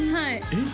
えっ？